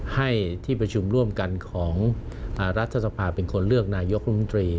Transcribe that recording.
ให้ที่ประชุมร่วมกันของรัฐสภาเป็นคนเลือกนายกรมตรี